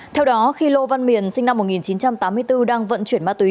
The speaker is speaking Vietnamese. theo đó khi lô văn miền sinh năm một nghìn chín trăm tám mươi bốn đang vận chuyển ma túy